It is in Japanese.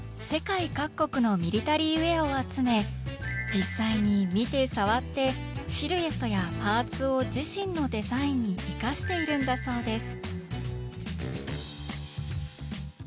実際に見て触ってシルエットやパーツを自身のデザインに生かしているんだそうです